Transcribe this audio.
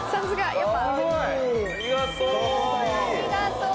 ありがとう！